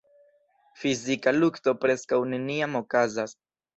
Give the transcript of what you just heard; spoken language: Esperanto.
Fizika lukto preskaŭ neniam okazas.